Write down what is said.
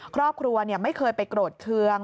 ครอบครัวไม่เคยไปโกรธเคือง